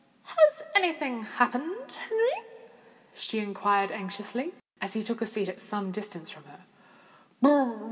"Has any thing happened, Henry?" she inquired anxiously, as he took a seat at some distance from her.